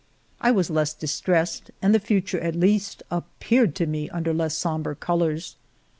I was less dis tressed, and the future at least appeared to me under less sombre colors.